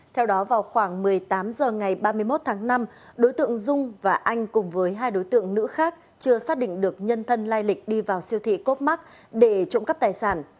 theo đó vào khoảng một mươi tám h ngày ba mươi một tháng năm đối tượng dung và anh cùng với hai đối tượng nữ khác chưa xác định được nhân thân lai lịch đi vào siêu thị copmark để trộm cắp tài sản